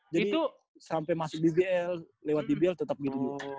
jadi sampai masuk dbl lewat dbl tetap gitu